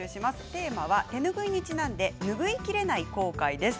テーマは手ぬぐいにちなんで拭いきれない後悔です。